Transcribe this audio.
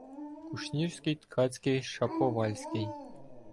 Кушнірський, ткацький, шаповальський